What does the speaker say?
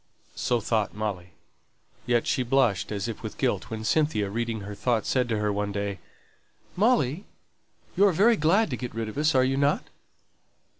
So thought Molly. Yet she blushed, as if with guilt, when Cynthia, reading her thoughts, said to her one day, "Molly, you're very glad to get rid of us, are not you?"